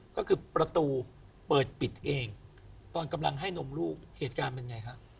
ก็คือประตูเปิดปิดเองตอนกำลังให้นมลูกเหตุการณ์เป็นไงฮะ